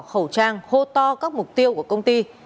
khẩu trang hô to các mục tiêu của công ty